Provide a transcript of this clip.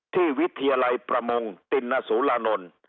วิทยาลัยประมงตินสุรานนท์